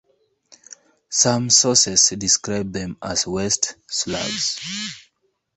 Some sources describe them as West Slavs.